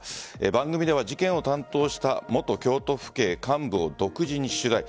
番組では事件を担当した元京都府警幹部を独自に取材。